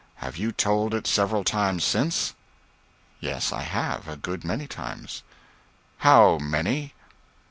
Have you told it several times since?" "Yes, I have, a good many times." "How many?"